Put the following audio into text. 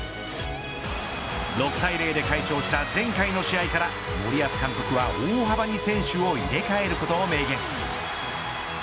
６対０で快勝した前回の試合から森保監督は大幅に選手を入れ替えることを明言。